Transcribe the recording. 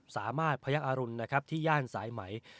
สามารถพยักอรุณนะครับที่ย่านสายไหม